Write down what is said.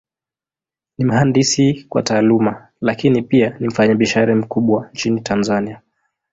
Ni mhandisi kwa Taaluma, Lakini pia ni mfanyabiashara mkubwa Nchini Tanzania.